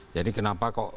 jadi kenapa kok